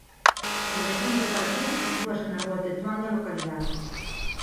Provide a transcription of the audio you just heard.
A dirección do partido sitúase na Rúa Tetuán da localidade.